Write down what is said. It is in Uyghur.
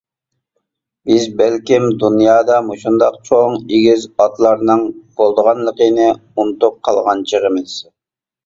بىز بەلكىم دۇنيادا مۇشۇنداق چوڭ، ئېگىز ئاتلارنىڭ بولىدىغانلىقىنى ئۇنتۇپ قالغان چېغىمىز.